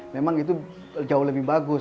memang itu jauh lebih bagus